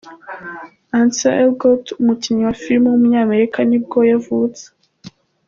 Ansel Elgort, umukinnyi wa filime w’umunyamerika nibwo yavutse.